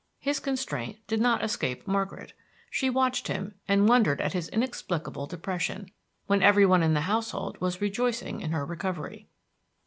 His constraint did not escape Margaret. She watched him, and wondered at his inexplicable depression when every one in the household was rejoicing in her recovery.